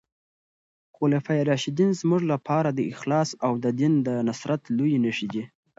خلفای راشدین زموږ لپاره د اخلاص او د دین د نصرت لويې نښې دي.